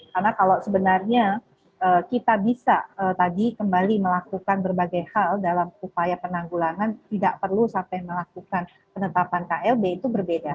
karena kalau sebenarnya kita bisa tadi kembali melakukan berbagai hal dalam upaya penanggulangan tidak perlu sampai melakukan penetapan klb itu berbeda